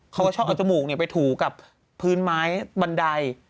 เขาก็ชอบเอาจมูกไปถูกับพื้นไม้บันได